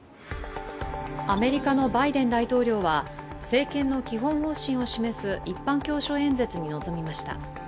アメリカのバイデン大統領は政権の基本方針を示す一般教書演説に臨みました。